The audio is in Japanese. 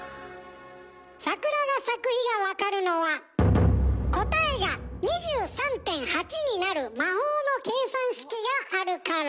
桜が咲く日がわかるのは答えが２３．８になる魔法の計算式があるから。